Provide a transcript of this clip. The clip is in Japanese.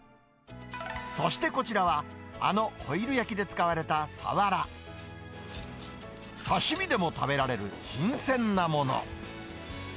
そしてこちらは、あのホイル焼きで使われたサワラ。刺身でも食べられる新鮮なもの。